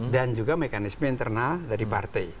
dan juga mekanisme internal dari partai